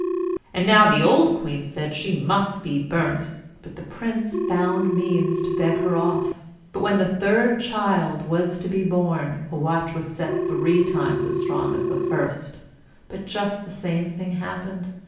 And now the old queen said she must be burnt, but the Prince found means to beg her off. But when the third child was to be born, a watch was set three times as strong as the first, but just the same thing happened.